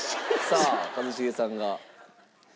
さあ一茂さんが。